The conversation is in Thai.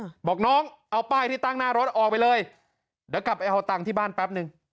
บอกน้องเอาป้ายที่ตั้งหน้ารถออกไปเลยเดี๋ยวกลับไปเอาตังค์ที่บ้านแป๊บนึง